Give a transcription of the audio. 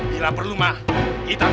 liat aja denganku